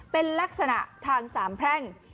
เป็นลักษณะทางสามแพร่ง